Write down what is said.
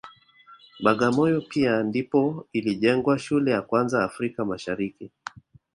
Bagamoyo pia ndipo ilijengwa shule ya kwanza Afrika Mashariki